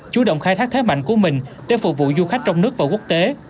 chú động khai thác thế mạnh của mình để phục vụ du khách trong nước và quốc tế